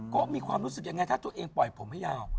ก็มีความรู้สึกยังไงถ้าตัวเองปล่อยผมให้ยาว